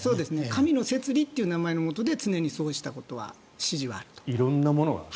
神の摂理という名前のもとで常にそうした指示があると。